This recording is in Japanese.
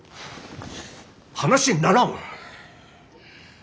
話にならん！